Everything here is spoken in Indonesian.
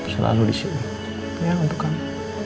selalu disini sayang untuk kamu